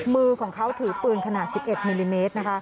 มือของเขาถือปืนขนาด๑๑มิลลิเมตรนะคะ